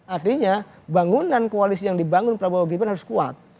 artinya bangunan koalisi yang dibangun prabowo gibran harus kuat